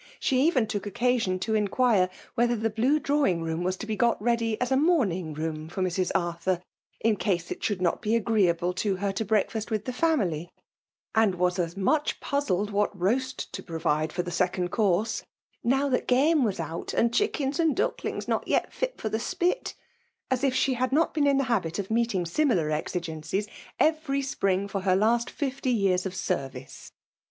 She even took occasion to inquire whether the blue drawing room was to be'^got ready as a morning room for Mrs. A^^hur, in case it should not be agreeable to bet to breakfast with the family ; and was as much puzzled what roast to provide for the second course, " now that game was out, and chickens and ducklings not yet fit for the spit,'' as if she had not been in the habit of meeting similar exigencies, every spring for her last fifty y^ars of service.